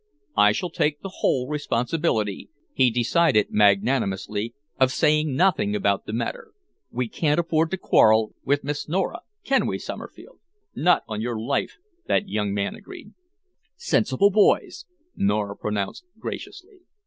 "I shall take the whole responsibility," he decided magnanimously, "of saying nothing about the matter. We can't afford to quarrel with Miss Nora, can we, Somerfield?" "Not on your life," that young man agreed. "Sensible boys!" Nora pronounced graciously.